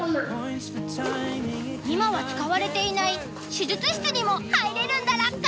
今は使われていない手術室にも入れるんだラッカ。